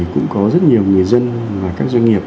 cũng có rất nhiều người dân và các doanh nghiệp